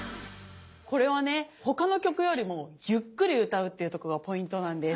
これはね他の曲よりもゆっくり歌うっていうとこがポイントなんです。